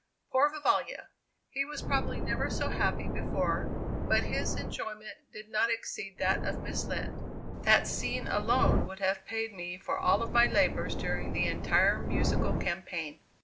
Poor Vivalla! He was probably never so happy before, but his enjoyment did not exceed that of Miss Lind. That scene alone would have paid me for all my labors during the entire musical campaign.